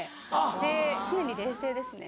で常に冷静ですね。